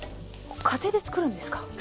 家庭で作るんですか？